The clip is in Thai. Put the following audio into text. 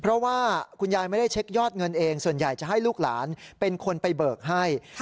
เพราะว่าคุณยายไม่ได้เช็คยอดเงินเองส่วนใหญ่จะให้ลูกหลานเป็นคนไปเบิกให้